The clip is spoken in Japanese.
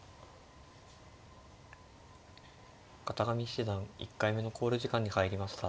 片上七段１回目の考慮時間に入りました。